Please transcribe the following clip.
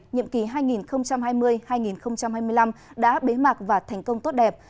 nhiệm kỳ hai nghìn hai mươi hai nghìn hai mươi năm đã bế mạc và thành công tốt đẹp